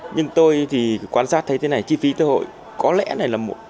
nhưng tôi thì quan sát thấy thế này chi phí cơ hội có lẽ này là một